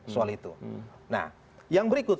soal itu nah yang berikut